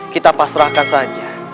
kita pasrahkan saja